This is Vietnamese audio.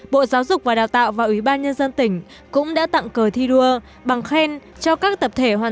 bộ giáo dục và đào tạo và ủy ban nhân dân tỉnh cũng đã tặng cờ thi đua bằng khen cho các tập thể hoàn